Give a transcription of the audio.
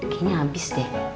kayaknya habis deh